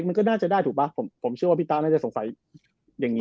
มันก็น่าจะได้ถูกป่ะผมผมเชื่อว่าพี่ตาน่าจะสงสัยอย่างนี้